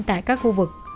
tại các khu vực